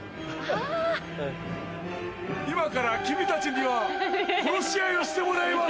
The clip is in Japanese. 今から君たちには殺し合いをしてもらいます。